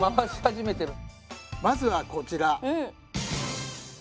まずはこちら。